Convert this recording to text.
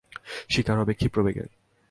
শিকার হবে ক্ষিপ্রবেগে।